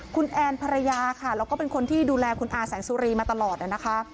คุณแอนภรรยาค่ะแล้วก็เป็นคนที่ดูแลคุณอาแสงสุรีมาตลอดนะคะ